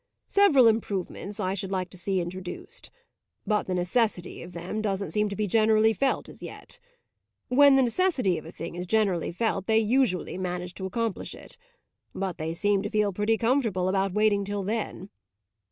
Several improvements I should like to see introduced; but the necessity of them doesn't seem to be generally felt as yet. When the necessity of a thing is generally felt they usually manage to accomplish it; but they seem to feel pretty comfortable about waiting till then.